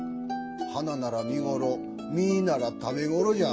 花なら見頃実なら食べ頃じゃ。